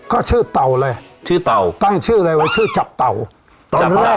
ก็ชื่อเต่าเลยชื่อเต่าตั้งชื่อเลยว่าชื่อจับเต่าเต่าจับได้